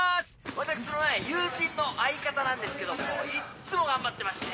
私のね友人の相方なんですけどもいっつも頑張ってまして。